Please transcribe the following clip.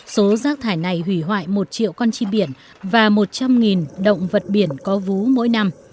số rác thải này hủy hoại một triệu con chim biển và một trăm linh động vật biển có vú mỗi năm